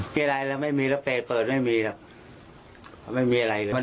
เกรี่ยดอะไรไม่มีนับแปดเปิดไม่มี